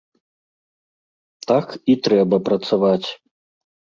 Так і трэба працаваць.